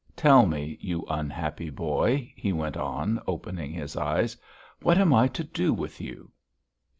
Tell me, you unhappy boy," he went on, opening his eyes, "what am I to do with you?"